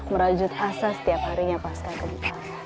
merajut asa setiap harinya pasca gempa